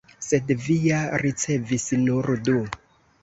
Sed vi ja ricevis nur du!